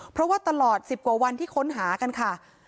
เพราะว่าตลอด๑๐กว่าวันที่ค้นหากันค่ะ